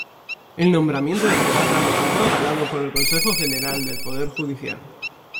El nombramiento de Segarra fue avalado por el Consejo General del Poder Judicial.